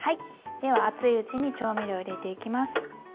では熱いうちに調味料入れていきます。